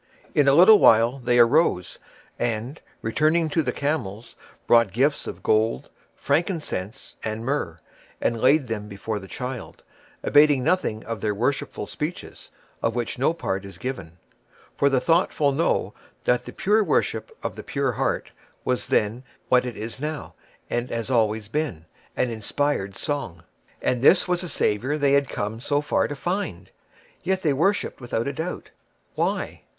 In a little while they arose, and, returning to the camels, brought gifts of gold, frankincense, and myrrh, and laid them before the child, abating nothing of their worshipful speeches; of which no part is given, for the thoughtful know that the pure worship of the pure heart was then what it is now, and has always been, an inspired song. And this was the Savior they had come so far to find! Yet they worshipped without a doubt. Why?